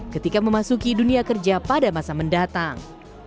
ketika memasuki dunia kerja pada masa mendatang